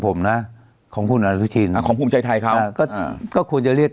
ผมนะของคุณของคุณชายไทยคร้าวอ่าก็ก็ควรจะเรียก